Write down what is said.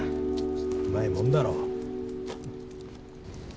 うまいもんだろう。